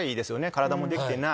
体もできてない。